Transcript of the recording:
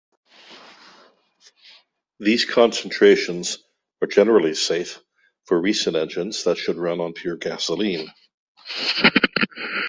These concentrations are generally safe for recent engines that should run on pure gasoline.